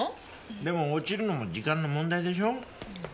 でも落ちるのも時間の問題でしょう？